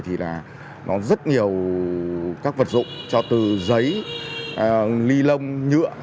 thì là nó rất nhiều các vật dụng cho từ giấy ly lông nhựa